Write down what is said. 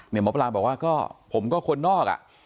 หมอปลาบอกว่าก็ผมก็คนนอกอ่ะ